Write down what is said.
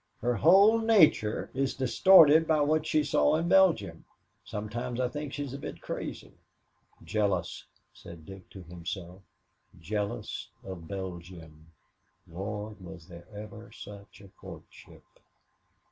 Her whole nature is distorted by what she saw in Belgium. Sometimes I think she is a bit crazy." "Jealous," said Dick to himself. "Jealous of Belgium! Lord, was there ever such a courtship!"